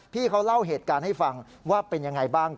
พี่เขาเล่าเหตุการณ์ให้ฟังว่าเป็นยังไงบ้าง